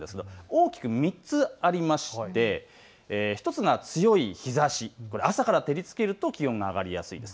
大きく３つありまして１つが強い日ざし、朝から照りつけると気温が上がりやすいです。